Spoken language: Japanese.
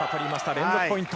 連続ポイント。